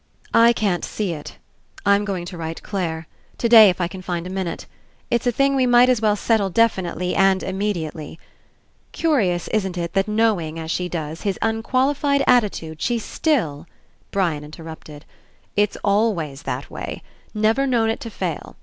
"I can't see It. I'm going to write Clare. Today, If I can find a minute. It's a thing we 95 PASSING might as well settle definitely, and immediately. Curious, isn't it, that knowing, as she does, his unqualified attitude, she still —" Brian interrupted: "It's always that way. Never known it to fail.